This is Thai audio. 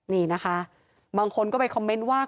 นี่นะคะบางคนก็ไปคอมเมนต์ว่า